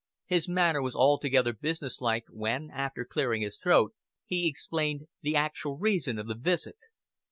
His manner was altogether businesslike when, after clearing his throat, he explained the actual reason of the visit.